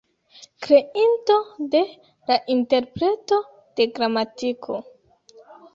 Kreinto de "La Interpreto de Gramatiko".